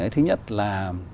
thứ nhất là